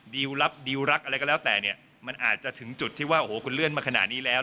ลับดิวรักอะไรก็แล้วแต่เนี่ยมันอาจจะถึงจุดที่ว่าโอ้โหคุณเลื่อนมาขนาดนี้แล้ว